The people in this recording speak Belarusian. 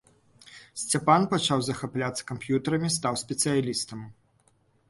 Сцяпан пачаў захапляцца камп'ютарамі, стаў спецыялістам.